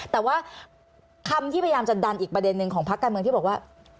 แต่ว่าคำที่พยายามจะดันอีกประเด็นหนึ่งของพักการเมืองที่บอกว่า